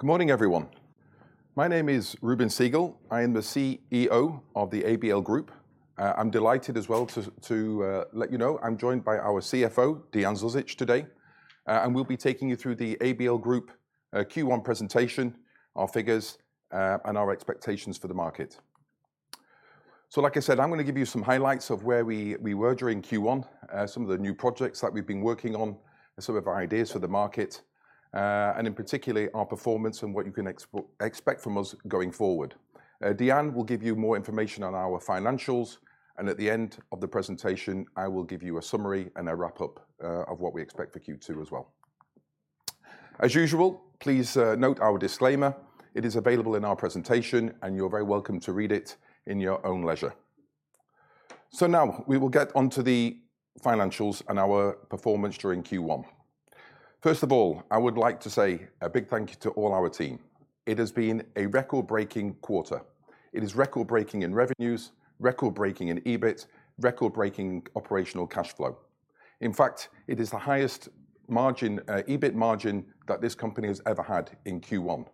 Good morning, everyone. My name is Reuben Segal. I am the CEO of the ABL Group. I'm delighted as well to let you know I'm joined by our CFO, Dean Zuzic today. We'll be taking you through the ABL Group Q1 presentation, our figures, and our expectations for the market. Like I said, I'm gonna give you some highlights of where we were during Q1, some of the new projects that we've been working on, and some of our ideas for the market, and in particular our performance and what you can expect from us going forward. Dejan will give you more information on our financials, and at the end of the presentation, I will give you a summary and a wrap-up of what we expect for Q2 as well. As usual, please, note our disclaimer. It is available in our presentation, and you're very welcome to read it in your own leisure. Now we will get onto the financials and our performance during Q1. First of all, I would like to say a big thank you to all our team. It has been a record-breaking quarter. It is record-breaking in revenues, record-breaking in EBIT, record-breaking operational cash flow. In fact, it is the highest margin EBIT margin that this company has ever had in Q1.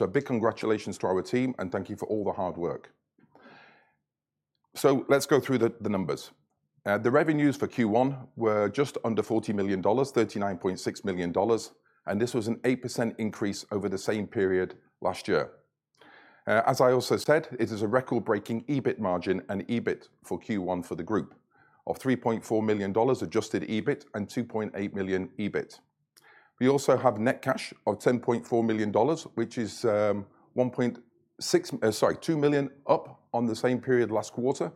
A big congratulations to our team, and thank you for all the hard work. Let's go through the numbers. The revenues for Q1 were just under $40 million, $39.6 million, and this was an 8% increase over the same period last year. As I also said, it is a record-breaking EBIT margin and EBIT for Q1 for the group of $3.4 million adjusted EBIT and $2.8 million EBIT. We also have net cash of $10.4 million, which is two million up on the same period last quarter,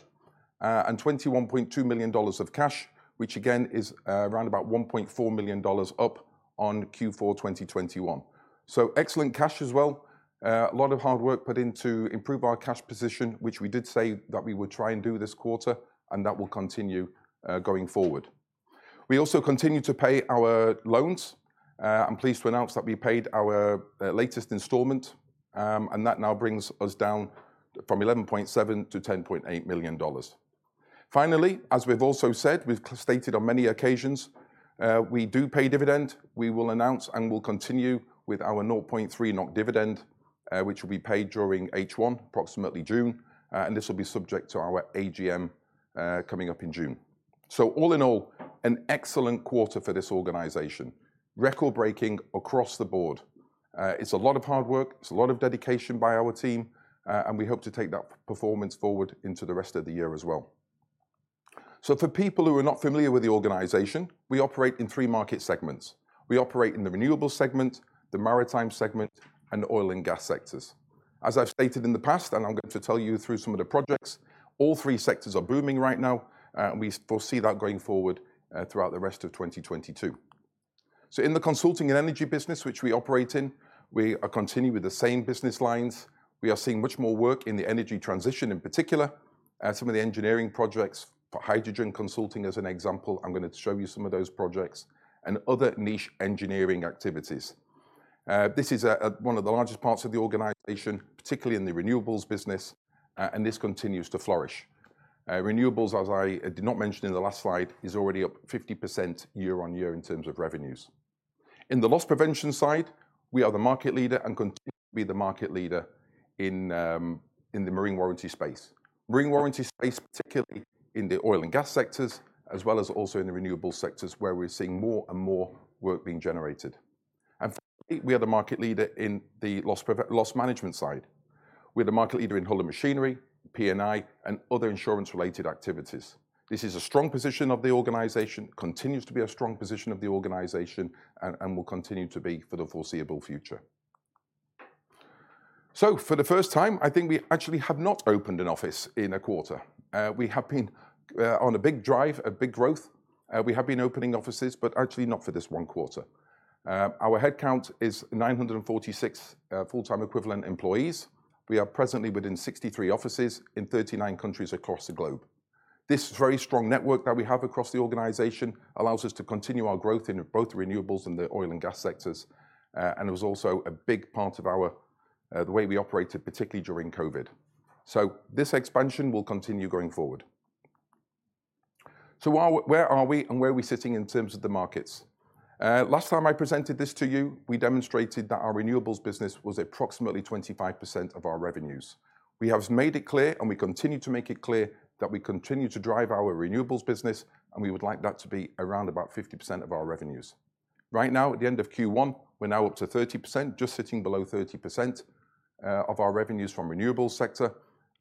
and $21.2 million of cash, which again is around about $1.4 million up on Q4 2021. Excellent cash as well. A lot of hard work put in to improve our cash position, which we did say that we would try and do this quarter, and that will continue going forward. We also continue to pay our loans. I'm pleased to announce that we paid our latest installment, and that now brings us down from $11.7 million to $10.8 million. Finally, as we've also said, we've stated on many occasions, we do pay dividend. We will announce and will continue with our 0.30 NOK dividend, which will be paid during H1, approximately June, and this will be subject to our AGM coming up in June. All in all, an excellent quarter for this organization. Record-breaking across the board. It's a lot of hard work, it's a lot of dedication by our team, and we hope to take that performance forward into the rest of the year as well. For people who are not familiar with the organization, we operate in three market segments. We operate in the renewables segment, the maritime segment, and the oil and gas sectors. As I've stated in the past, and I'm going to tell you through some of the projects, all three sectors are booming right now, and we foresee that going forward, throughout the rest of 2022. In the consulting and energy business which we operate in, we are continuing with the same business lines. We are seeing much more work in the energy transition in particular, some of the engineering projects for hydrogen consulting as an example, I'm gonna show you some of those projects, and other niche engineering activities. This is one of the largest parts of the organization, particularly in the renewables business, and this continues to flourish. Renewables, as I did not mention in the last slide, is already up 50% year-over-year in terms of revenues. In the loss prevention side, we are the market leader and continue to be the market leader in the marine warranty space. Marine warranty space, particularly in the oil and gas sectors, as well as also in the renewables sectors, where we're seeing more and more work being generated. Three, we are the market leader in the loss management side. We're the market leader in hull and machinery, P&I, and other insurance-related activities. This is a strong position of the organization, continues to be a strong position of the organization, and will continue to be for the foreseeable future. For the first time, I think we actually have not opened an office in a quarter. We have been on a big drive, a big growth. We have been opening offices, but actually not for this one quarter. Our head count is 946 full-time equivalent employees. We are presently within 63 offices in 39 countries across the globe. This very strong network that we have across the organization allows us to continue our growth in both the renewables and the oil and gas sectors, and it was also a big part of the way we operated, particularly during COVID. This expansion will continue going forward. Where are we and where are we sitting in terms of the markets? Last time I presented this to you, we demonstrated that our renewables business was approximately 25% of our revenues. We have made it clear, and we continue to make it clear, that we continue to drive our renewables business, and we would like that to be around about 50% of our revenues. Right now, at the end of Q1, we're now up to 30%, just sitting below 30%, of our revenues from renewables sector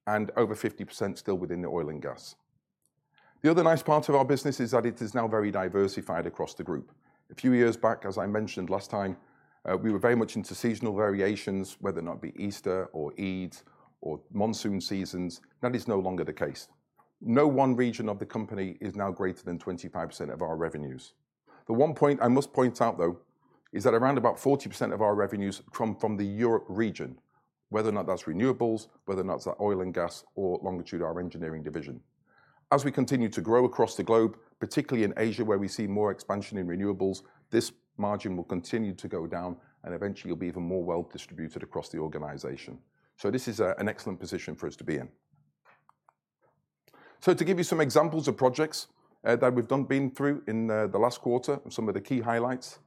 and over 50% still within the oil and gas. The other nice part of our business is that it is now very diversified across the group. A few years back, as I mentioned last time, we were very much into seasonal variations, whether or not it be Easter or Eid or monsoon seasons. That is no longer the case. No one region of the company is now greater than 25% of our revenues. The one point I must point out, though, is that around about 40% of our revenues come from the Europe region, whether or not that's renewables, whether or not it's oil and gas or Longitude, our engineering division. As we continue to grow across the globe, particularly in Asia, where we see more expansion in renewables, this margin will continue to go down and eventually will be even more well-distributed across the organization. This is an excellent position for us to be in. To give you some examples of projects that we've done, been through in the last quarter and some of the key highlights.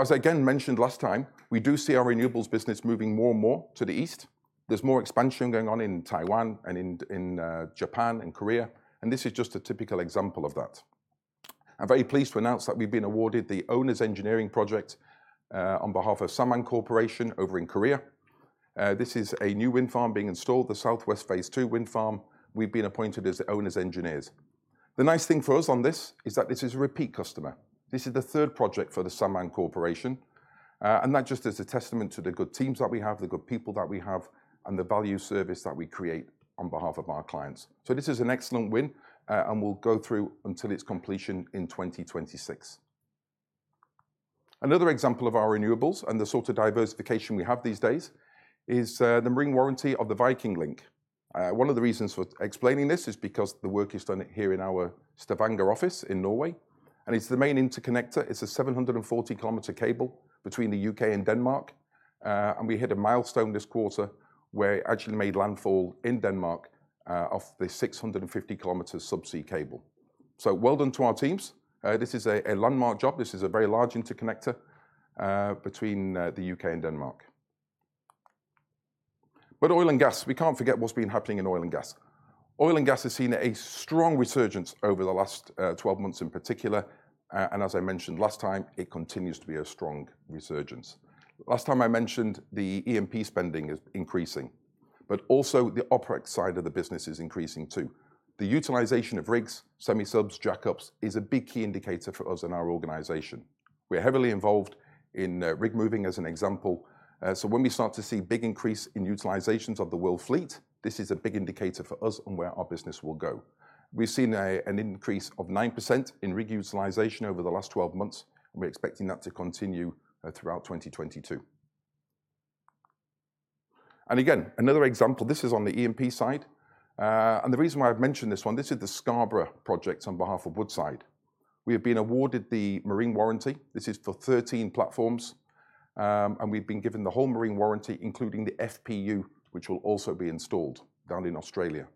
As I again mentioned last time, we do see our renewables business moving more and more to the east. There's more expansion going on in Taiwan and in Japan and Korea, and this is just a typical example of that. I'm very pleased to announce that we've been awarded the owner's engineering project on behalf of Samkang M&T over in Korea. This is a new wind farm being installed, the Southwest Phase Two Wind Farm. We've been appointed as the owner's engineers. The nice thing for us on this is that this is a repeat customer. This is the third project for the Samkang M&T, and that just is a testament to the good teams that we have, the good people that we have, and the value service that we create on behalf of our clients. This is an excellent win, and we'll go through until its completion in 2026. Another example of our renewables and the sort of diversification we have these days is the marine warranty of the Viking Link. One of the reasons for explaining this is because the work is done here in our Stavanger office in Norway, and it's the main interconnector. It's a 740-kilometer cable between the U.K. and Denmark. We hit a milestone this quarter where it actually made landfall in Denmark of the 650 kilometers subsea cable. So well done to our teams. This is a landmark job. This is a very large interconnector between the U.K. and Denmark. Oil and gas, we can't forget what's been happening in oil and gas. Oil and gas has seen a strong resurgence over the last 12 months in particular, and as I mentioned last time, it continues to be a strong resurgence. Last time I mentioned the E&P spending is increasing, but also the OpEx side of the business is increasing too. The utilization of rigs, semi-subs, jackups is a big key indicator for us in our organization. We're heavily involved in rig moving as an example. So when we start to see big increase in utilizations of the world fleet, this is a big indicator for us on where our business will go. We've seen an increase of 9% in rig utilization over the last 12 months, and we're expecting that to continue throughout 2022. Again, another example, this is on the E&P side. The reason why I've mentioned this one, this is the Scarborough project on behalf of Woodside. We have been awarded the marine warranty. This is for 13 platforms, and we've been given the whole marine warranty, including the FPU, which will also be installed down in Australia.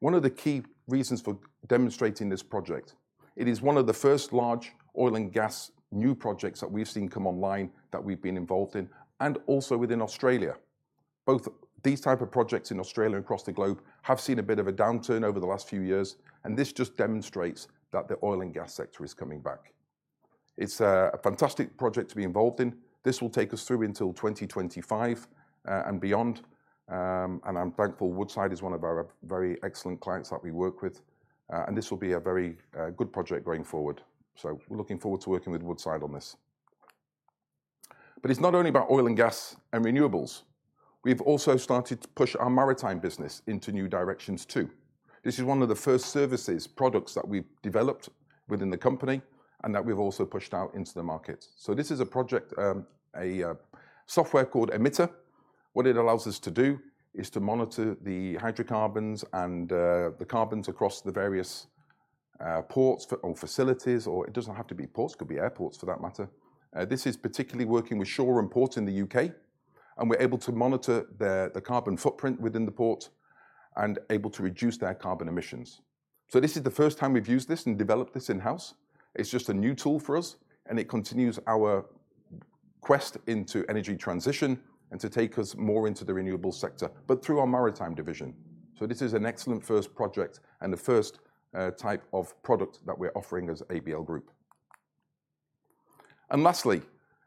One of the key reasons for demonstrating this project, it is one of the first large oil and gas new projects that we've seen come online that we've been involved in, and also within Australia. Both these type of projects in Australia and across the globe have seen a bit of a downturn over the last few years, and this just demonstrates that the oil and gas sector is coming back. It's a fantastic project to be involved in. This will take us through until 2025, and beyond. I'm thankful Woodside is one of our very excellent clients that we work with, and this will be a very good project going forward. We're looking forward to working with Woodside on this. It's not only about oil and gas and renewables. We've also started to push our maritime business into new directions too. This is one of the first services, products that we've developed within the company and that we've also pushed out into the market. This is a project, a software called emiTr. What it allows us to do is to monitor the hydrocarbons and the carbons across the various ports or facilities, or it doesn't have to be ports, could be airports for that matter. This is particularly working with Shoreham Port in the U.K., and we're able to monitor the carbon footprint within the port and able to reduce their carbon emissions. This is the first time we've used this and developed this in-house. It's just a new tool for us, and it continues our quest into energy transition and to take us more into the renewable sector, but through our maritime division. This is an excellent first project and the first type of product that we're offering as ABL Group. Lastly,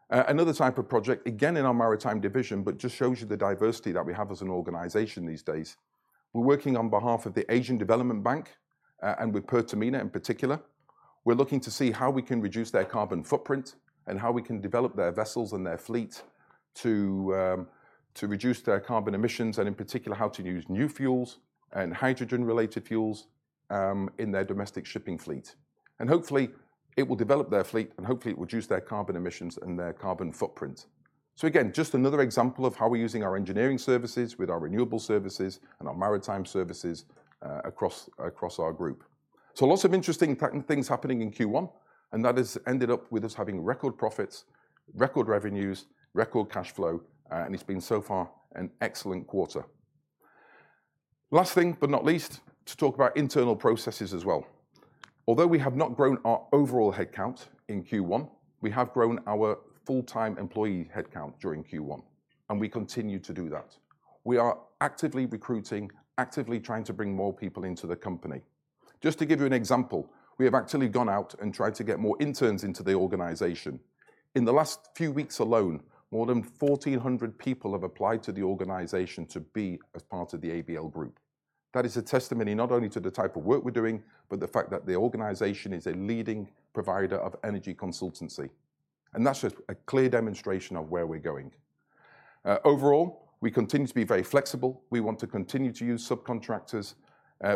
another type of project, again in our maritime division, but just shows you the diversity that we have as an organization these days. We're working on behalf of the Asian Development Bank and with Pertamina in particular. We're looking to see how we can reduce their carbon footprint and how we can develop their vessels and their fleet to reduce their carbon emissions, and in particular, how to use new fuels and hydrogen-related fuels in their domestic shipping fleet. Hopefully, it will develop their fleet, and hopefully it reduce their carbon emissions and their carbon footprint. Again, just another example of how we're using our engineering services with our renewable services and our maritime services across our group. Lots of interesting things happening in Q1, and that has ended up with us having record profits, record revenues, record cash flow, and it's been so far an excellent quarter. Last thing but not least, to talk about internal processes as well. Although we have not grown our overall headcount in Q1, we have grown our full-time employee headcount during Q1, and we continue to do that. We are actively recruiting, actively trying to bring more people into the company. Just to give you an example, we have actually gone out and tried to get more interns into the organization. In the last few weeks alone, more than 1,400 people have applied to the organization to be as part of the ABL Group. That is a testimony not only to the type of work we're doing, but the fact that the organization is a leading provider of energy consultancy. That's just a clear demonstration of where we're going. Overall, we continue to be very flexible. We want to continue to use subcontractors.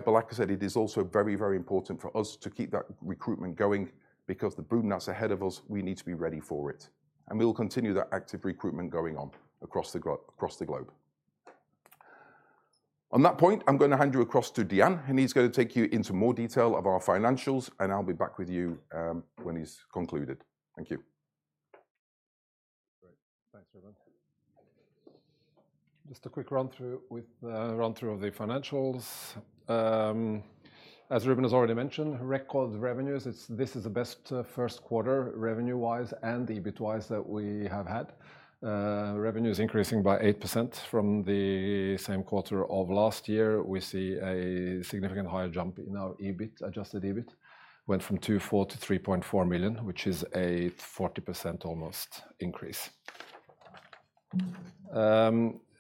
Like I said, it is also very, very important for us to keep that recruitment going because the boom that's ahead of us, we need to be ready for it. We will continue that active recruitment going on across the globe. On that point, I'm gonna hand you over to Dean, and he's gonna take you into more detail of our financials, and I'll be back with you, when he's concluded. Thank you. Just a quick run-through of the financials. As Reuben has already mentioned, record revenues. This is the best first quarter revenue-wise and EBIT-wise that we have had. Revenues increasing by 8% from the same quarter of last year. We see a significantly higher jump in our EBIT, adjusted EBIT. Went from 2.4 million to 3.4 million, which is almost a 40% increase.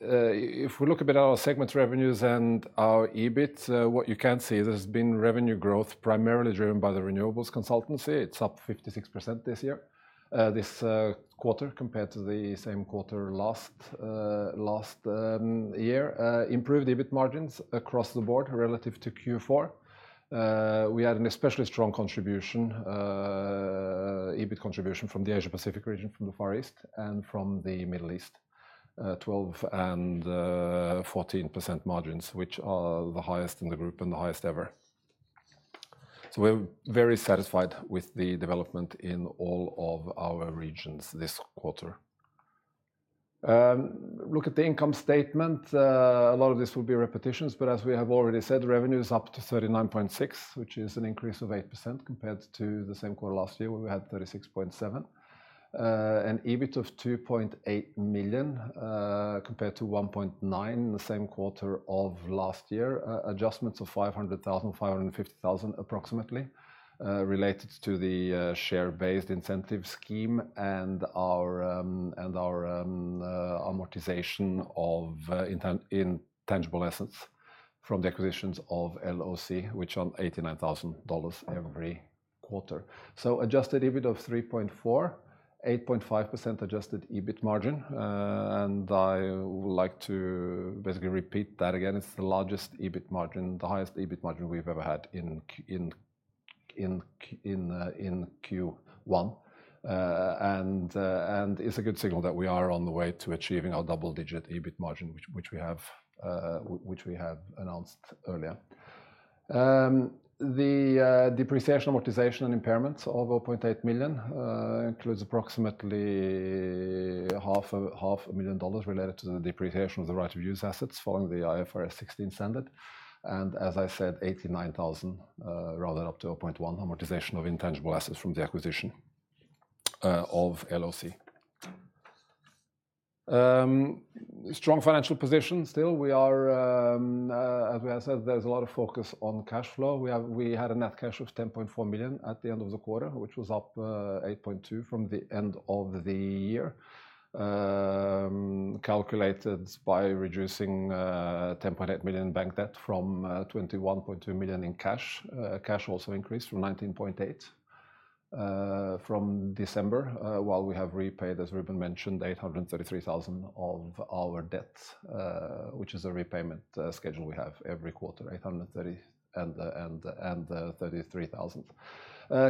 If we look a bit at our segment revenues and our EBIT, what you can see, there's been revenue growth primarily driven by the renewables consultancy. It's up 56% this quarter compared to the same quarter last year. Improved EBIT margins across the board relative to Q4. We had an especially strong contribution, EBIT contribution from the Asia-Pacific region, from the Far East, and from the Middle East. 12% and 14% margins, which are the highest in the group and the highest ever. We're very satisfied with the development in all of our regions this quarter. Look at the income statement. A lot of this will be repetitions, but as we have already said, revenue is up to 39.6 million, which is an increase of 8% compared to the same quarter last year where we had 36.7 million. An EBIT of 2.8 million compared to 1.9 million the same quarter of last year. Adjustments of $500,000-$550,000 approximately, related to the share-based incentive scheme and our amortization of intangible assets from the acquisitions of LOC, which are $89,000 every quarter. Adjusted EBIT of $3.4, 8.5% Adjusted EBIT margin. I would like to basically repeat that again. It's the largest EBIT margin, the highest EBIT margin we've ever had in Q1. It's a good signal that we are on the way to achieving our double-digit EBIT margin, which we have announced earlier. The depreciation, amortization, and impairments of $0.8 million includes approximately half a million dollars related to the depreciation of the right-of-use assets following the IFRS 16 standard. As I said, $89,000 rounded up to $0.1 million amortization of intangible assets from the acquisition of LOC. Strong financial position still. We are as we have said, there's a lot of focus on cash flow. We had a net cash of $10.4 million at the end of the quarter, which was up $8.2 million from the end of the year. Calculated by reducing $10.8 million bank debt from $21.2 million in cash. Cash also increased from $19.8 million from December, while we have repaid, as Reuben mentioned, $833,000 of our debt, which is a repayment schedule we have every quarter, $833,000.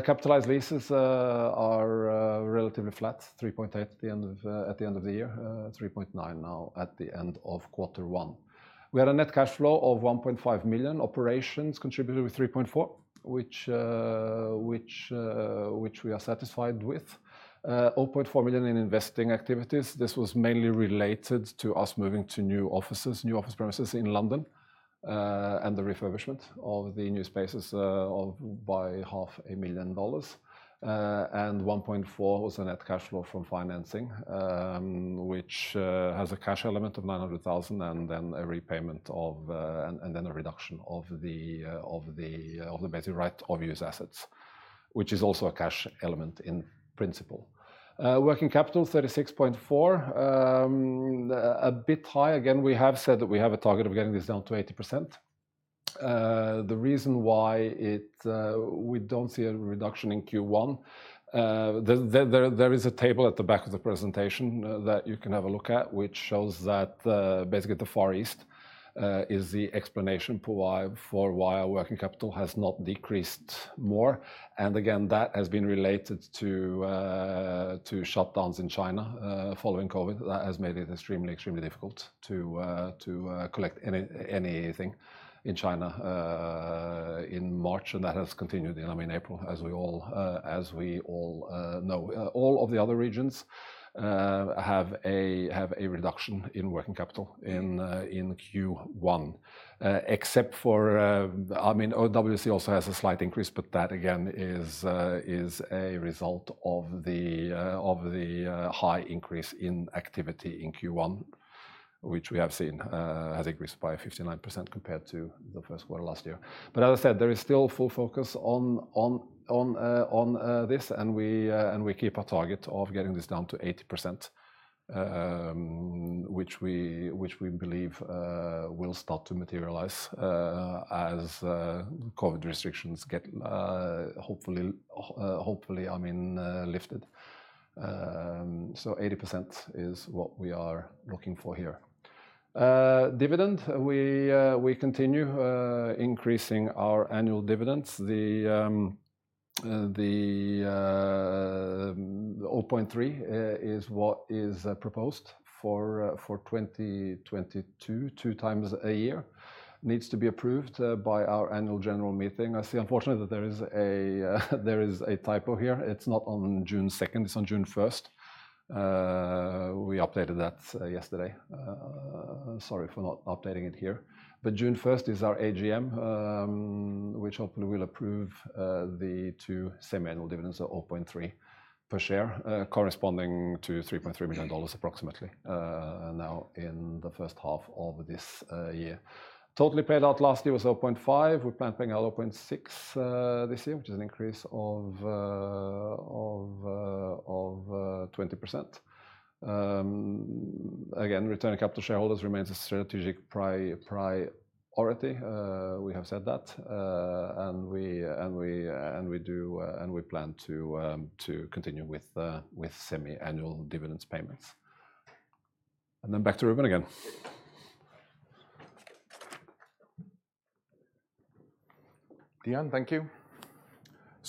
Capitalized leases are relatively flat, $3.8 million at the end of the year, $3.9 million now at the end of quarter one. We had a net cash flow of $1.5 million. Operations contributed with $3.4 million, which we are satisfied with. $0.4 million in investing activities. This was mainly related to us moving to new offices, new office premises in London, and the refurbishment of the new spaces by half a million dollars. $1.4 was the net cash flow from financing, which has a cash element of $900,000 and then a repayment and then a reduction of the basic right-of-use assets, which is also a cash element in principle. Working capital is $36.4. A bit high. Again, we have said that we have a target of getting this down to 80%. The reason why we don't see a reduction in Q1, there is a table at the back of the presentation that you can have a look at, which shows that basically the Far East is the explanation for why our working capital has not decreased more. Again, that has been related to shutdowns in China following COVID. That has made it extremely difficult to collect anything in China in March, and that has continued in, I mean, April, as we all know. All of the other regions have a reduction in working capital in Q1. Except for, I mean, OWC also has a slight increase, but that again is a result of the high increase in activity in Q1, which we have seen has increased by 59% compared to the first quarter last year. As I said, there is still full focus on this and we keep our target of getting this down to 80%, which we believe will start to materialize as COVID restrictions get hopefully, I mean, lifted. 80% is what we are looking for here. Dividend, we continue increasing our annual dividends. The 0.3 is what is proposed for 2022, 2x a year. Needs to be approved by our annual general meeting. I see unfortunately that there is a typo here. It's not on June second, it's on June first. We updated that yesterday. Sorry for not updating it here. June 1st is our AGM, which hopefully will approve the two semi-annual dividends of $0.3 per share, corresponding to approximately $3.3 million, now in the first half of this year. Totally paid out last year was $0.5. We plan paying out $0.6 this year, which is an increase of 20%. Again, return capital to shareholders remains a strategic priority. We have said that. We do plan to continue with semi-annual dividend payments. Then back to Reuben again. Dean, thank you.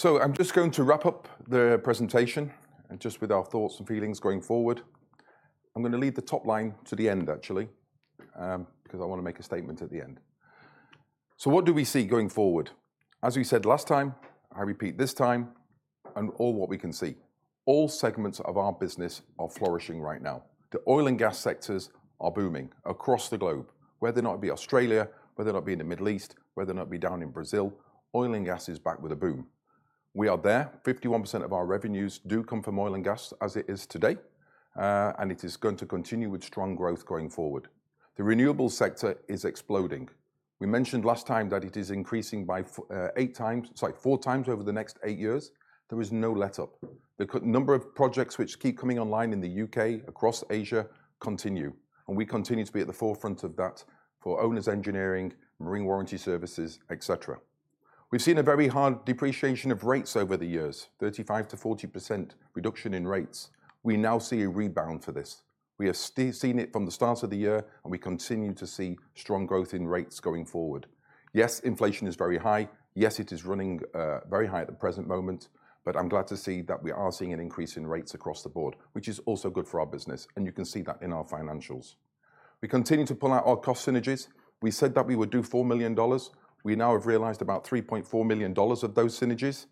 I'm just going to wrap up the presentation and just with our thoughts and feelings going forward. I'm gonna leave the top line to the end actually, because I wanna make a statement at the end. What do we see going forward? As we said last time, I repeat this time and all what we can see, all segments of our business are flourishing right now. The oil and gas sectors are booming across the globe, whether it be Australia, whether it be in the Middle East, whether it be down in Brazil, oil and gas is back with a boom. We are there. 51% of our revenues do come from oil and gas as it is today, and it is going to continue with strong growth going forward. The renewable sector is exploding. We mentioned last time that it is increasing by 8x, sorry, 4x over the next eight years. There is no letup. The number of projects which keep coming online in the U.K., across Asia continue, and we continue to be at the forefront of that for owner's engineering, marine warranty services, et cetera. We've seen a very hard depreciation of rates over the years, 35%-40% reduction in rates. We now see a rebound for this. We have seen it from the start of the year, and we continue to see strong growth in rates going forward. Yes, inflation is very high. Yes, it is running very high at the present moment. I'm glad to see that we are seeing an increase in rates across the board, which is also good for our business, and you can see that in our financials. We continue to pull out our cost synergies. We said that we would do $4 million. We now have realized about $3.4 million of those synergies,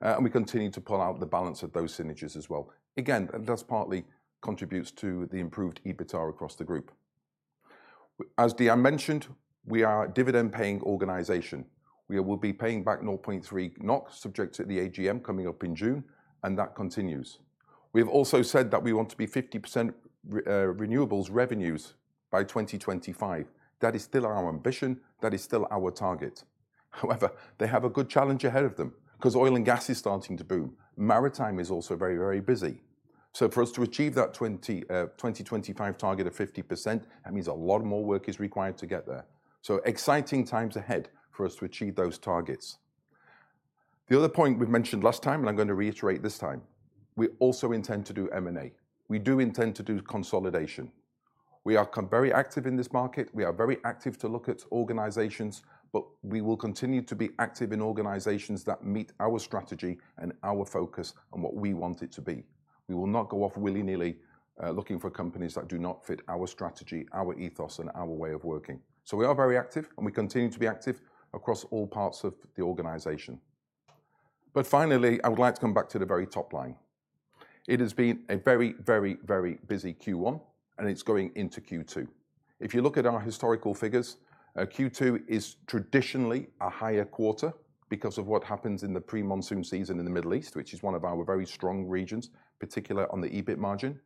and we continue to pull out the balance of those synergies as well. Again, that's partly contributes to the improved EBITDA across the group. As Dean mentioned, we are a dividend-paying organization. We will be paying back 0.3 NOK subject to the AGM coming up in June, and that continues. We have also said that we want to be 50% renewables revenues by 2025. That is still our ambition. That is still our target. However, they have a good challenge ahead of them because oil and gas is starting to boom. Maritime is also very, very busy. For us to achieve that 2025 target of 50%, that means a lot more work is required to get there. Exciting times ahead for us to achieve those targets. The other point we mentioned last time, and I'm gonna reiterate this time, we also intend to do M&A. We do intend to do consolidation. We are very active in this market. We are very active to look at organizations, but we will continue to be active in organizations that meet our strategy and our focus on what we want it to be. We will not go off willy-nilly looking for companies that do not fit our strategy, our ethos, and our way of working. We are very active, and we continue to be active across all parts of the organization. Finally, I would like to come back to the very top line. It has been a very busy Q1, and it's going into Q2. If you look at our historical figures, Q2 is traditionally a higher quarter because of what happens in the pre-monsoon season in the Middle East, which is one of our very strong regions, particularly on the EBIT margin.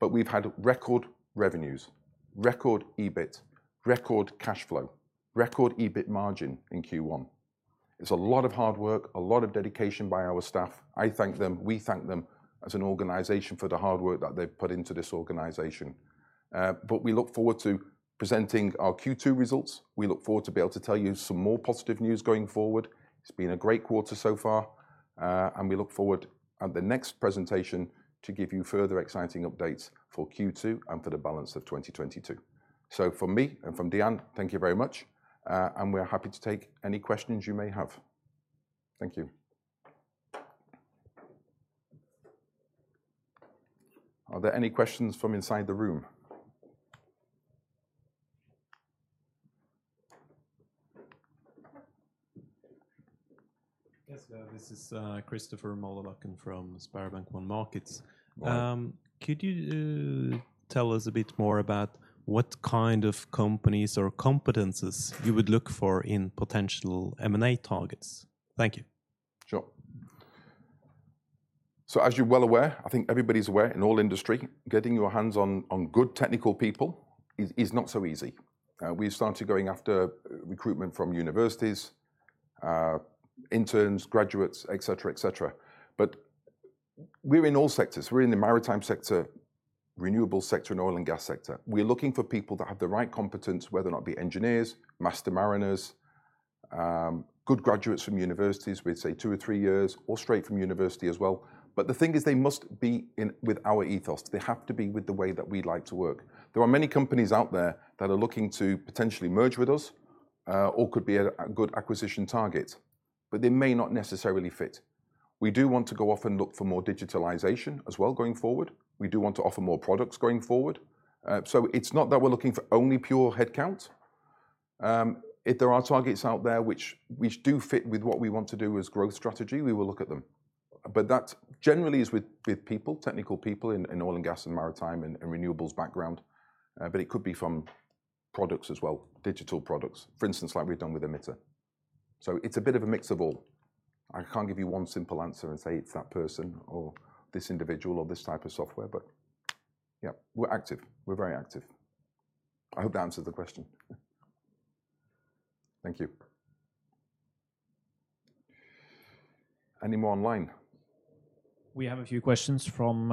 We've had record revenues, record EBIT, record cash flow, record EBIT margin in Q1. It's a lot of hard work, a lot of dedication by our staff. I thank them. We thank them as an organization for the hard work that they've put into this organization. We look forward to presenting our Q2 results. We look forward to be able to tell you some more positive news going forward. It's been a great quarter so far, and we look forward at the next presentation to give you further exciting updates for Q2 and for the balance of 2022. From me and from Dean, thank you very much. And we are happy to take any questions you may have. Thank you. Are there any questions from inside the room? Yes. This is Christopher Møller-Langen from SpareBank 1 Markets. Morning. Could you tell us a bit more about what kind of companies or competencies you would look for in potential M&A targets? Thank you. Sure. As you're well aware, I think everybody's aware in all industry, getting your hands on good technical people is not so easy. We started going after recruitment from universities, interns, graduates, et cetera. We're in all sectors. We're in the maritime sector, renewable sector, and oil and gas sector. We're looking for people that have the right competence, whether or not be engineers, master mariners, good graduates from universities with say two or three years or straight from university as well. The thing is they must be in with our ethos. They have to be with the way that we like to work. There are many companies out there that are looking to potentially merge with us, or could be a good acquisition target, but they may not necessarily fit. We do want to go off and look for more digitalization as well going forward. We do want to offer more products going forward. So it's not that we're looking for only pure headcount. If there are targets out there which do fit with what we want to do as growth strategy, we will look at them. But that generally is with people, technical people in oil and gas and maritime and renewables background. But it could be from products as well, digital products, for instance, like we've done with emiTr. So it's a bit of a mix of all. I can't give you one simple answer and say it's that person or this individual or this type of software, but yeah, we're active. We're very active. I hope that answers the question. Thank you. Any more online? We have a few questions from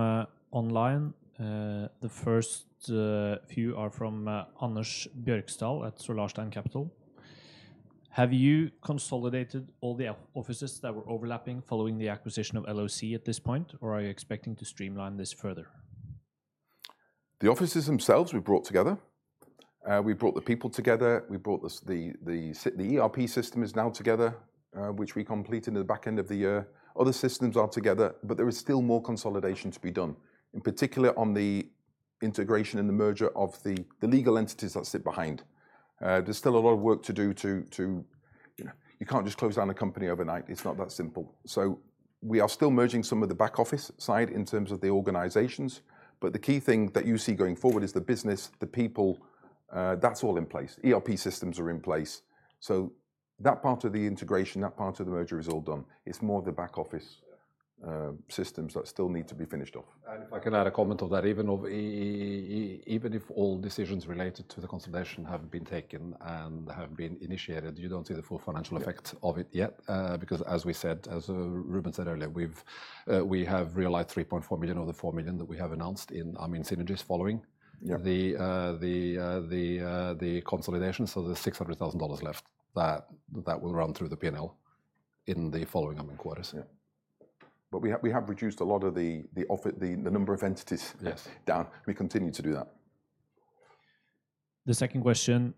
online. The first few are from Anders Björkstål at Solarstein Capital. Have you consolidated all the offices that were overlapping following the acquisition of LOC at this point, or are you expecting to streamline this further? The offices themselves we've brought together. We've brought the people together. We brought the ERP system together, which we completed in the back end of the year. Other systems are together, but there is still more consolidation to be done, in particular on the integration and the merger of the legal entities that sit behind. There's still a lot of work to do. You know, you can't just close down a company overnight. It's not that simple. We are still merging some of the back office side in terms of the organizations. The key thing that you see going forward is the business, the people, that's all in place. ERP systems are in place. That part of the integration, that part of the merger is all done. It's more the back office. Yeah Systems that still need to be finished off. If I can add a comment on that. Even if all decisions related to the consolidation have been taken and have been initiated, you don't see the full financial effect of it yet, because as we said, Reuben said earlier, we have realized $3.4 million of the $4 million that we have announced in, I mean, synergies following- Yeah The consolidation. There's $600,000 left that will run through the P&L in the following upcoming quarters. We have reduced a lot of the number of entities. Yes Down. We continue to do that. The second question,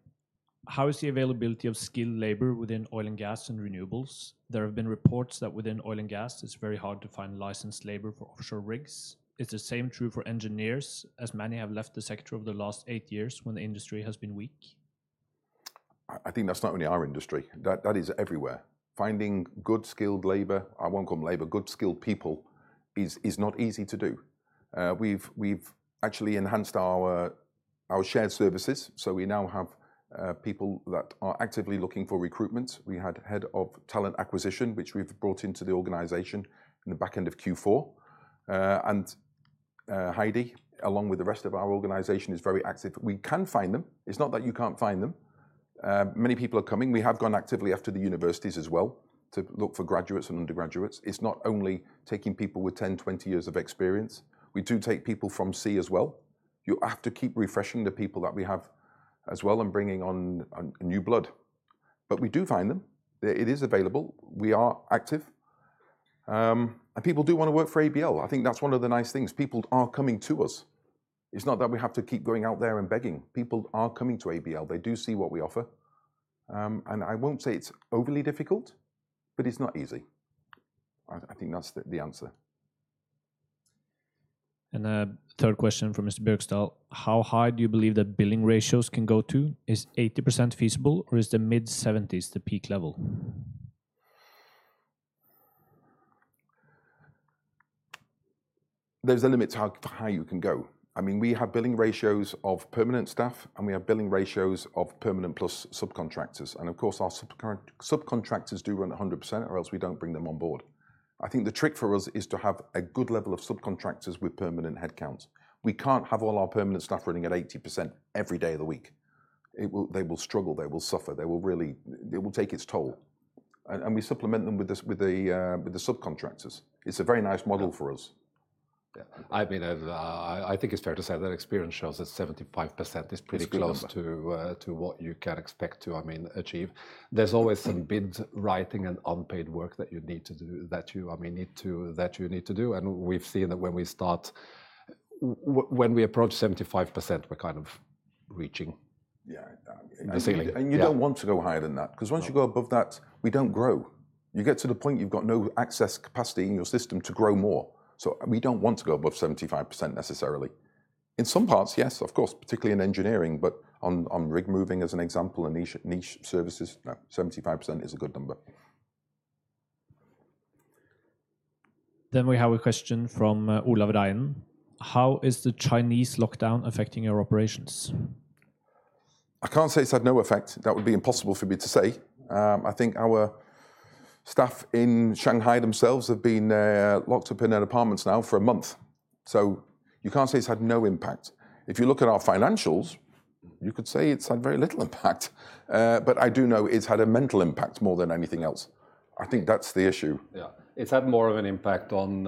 how is the availability of skilled labor within oil and gas and renewables? There have been reports that within oil and gas it's very hard to find licensed labor for offshore rigs. Is the same true for engineers, as many have left the sector over the last eight years when the industry has been weak? I think that's not only our industry. That is everywhere. Finding good skilled labor, I won't call them labor, good skilled people is not easy to do. We've actually enhanced our shared services, so we now have people that are actively looking for recruitment. We had head of talent acquisition, which we've brought into the organization in the back end of Q4. Heidi, along with the rest of our organization, is very active. We can find them. It's not that you can't find them. Many people are coming. We have gone actively after the universities as well to look for graduates and undergraduates. It's not only taking people with 10, 20 years of experience. We do take people from sea as well. You have to keep refreshing the people that we have as well and bringing on new blood. We do find them. It is available. We are active. People do wanna work for ABL. I think that's one of the nice things. People are coming to us. It's not that we have to keep going out there and begging. People are coming to ABL. They do see what we offer. I won't say it's overly difficult, but it's not easy. I think that's the answer. A third question from Mr. Björkstål. How high do you believe that billing ratios can go to? Is 80% feasible or is the mid-70s the peak level? There's a limit to how you can go. I mean, we have billing ratios of permanent staff, and we have billing ratios of permanent plus subcontractors. Of course, our subcontractors do run at 100%, or else we don't bring them on board. I think the trick for us is to have a good level of subcontractors with permanent headcounts. We can't have all our permanent staff running at 80% every day of the week. They will struggle. They will suffer. It will take its toll. We supplement them with the subcontractors. It's a very nice model for us. Yeah. I mean, I think it's fair to say that experience shows that 75% is pretty close. It's a good number. to what you can expect to, I mean, achieve. There's always some bid writing and unpaid work that you, I mean, need to do. We've seen that when we approach 75%, we're kind of reaching. Yeah. The ceiling. Yeah. You don't want to go higher than that, 'cause once you go above that, we don't grow. You get to the point you've got no excess capacity in your system to grow more. We don't want to go above 75% necessarily. In some parts, yes, of course, particularly in engineering, but on rig moving, as an example, and niche services, 75% is a good number. We have a question from Olav Reinen. How is the Chinese lockdown affecting your operations? I can't say it's had no effect. That would be impossible for me to say. I think our staff in Shanghai themselves have been locked up in their apartments now for a month. You can't say it's had no impact. If you look at our financials, you could say it's had very little impact. But I do know it's had a mental impact more than anything else. I think that's the issue. Yeah. It's had more of an impact on,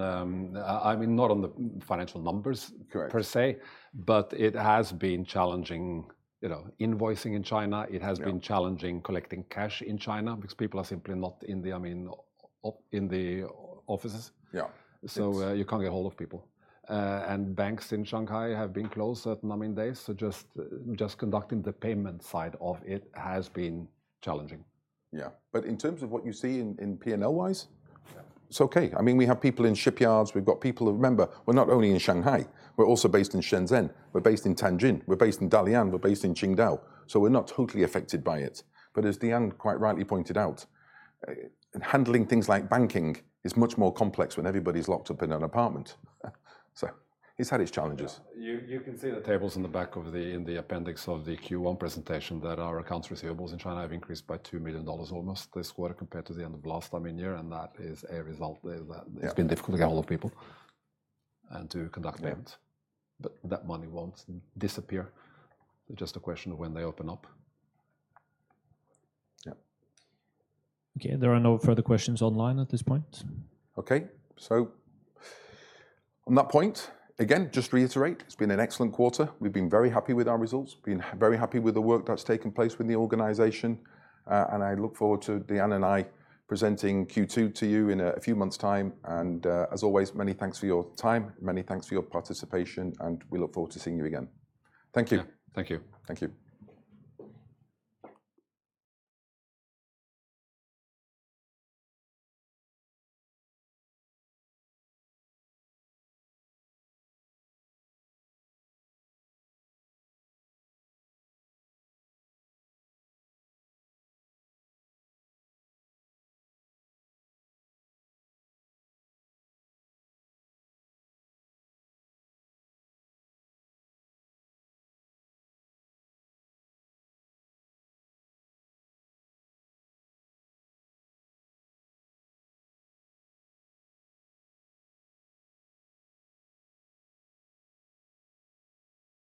I mean, not on the financial numbers. Correct per se, but it has been challenging, you know, invoicing in China. Yeah. It has been challenging collecting cash in China because people are simply not in the, I mean, in the offices. Yeah. You can't get a hold of people. Banks in Shanghai have been closed certain, I mean, days. Just conducting the payment side of it has been challenging. In terms of what you see in P&L-wise. Yeah It's okay. I mean, we have people in shipyards. Remember, we're not only in Shanghai. We're also based in Shenzhen. We're based in Tianjin. We're based in Dalian. We're based in Qingdao. We're not totally affected by it. As Dean quite rightly pointed out, handling things like banking is much more complex when everybody's locked up in an apartment. It's had its challenges. You can see the tables in the back of the, in the appendix of the Q1 presentation that our accounts receivables in China have increased by $2 million almost this quarter compared to the end of last, I mean, year, and that is a result. It's been difficult to get a hold of people. to conduct payments. Yeah. That money won't disappear. It's just a question of when they open up. Yeah. Okay. There are no further questions online at this point. Okay. On that point, again, just to reiterate, it's been an excellent quarter. We've been very happy with our results. Been very happy with the work that's taken place with the organization. I look forward to Dean and I presenting Q2 to you in a few months' time. As always, many thanks for your time, many thanks for your participation, and we look forward to seeing you again. Thank you. Yeah. Thank you. Thank you.